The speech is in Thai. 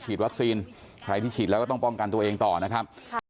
อีกสักครั้งให้เชื่อมัน